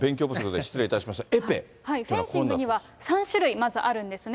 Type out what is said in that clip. フェンシングには、３種類まずあるんですね。